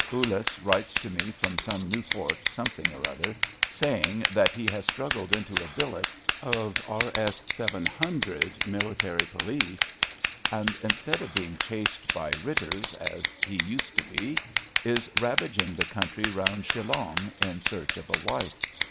Ouless writes to me from some new fort something or other, saying that he has struggled into a billet of Es. 700 (Military Police), and instead of being chased by writters as he 197 198 ABAFT THE FUNNEL used to be, is ravaging the country round Shillong in search of a wife.